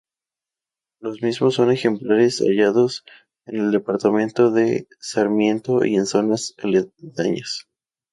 Los mismos son ejemplares hallados en el departamento de Sarmiento y en zonas aledañas